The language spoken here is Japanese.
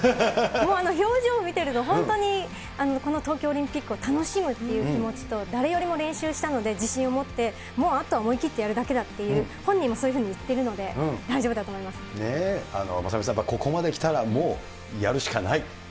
もう表情を見てると、本当にこの東京オリンピックを楽しむっていう気持ちと、誰よりも練習したので、自信を持って、もうあとは思い切ってやるだけだっていう、本人もそういうふうに言ってるので、大丈夫だと思いま雅美さん、やっぱりここまできたらもうやるしかない？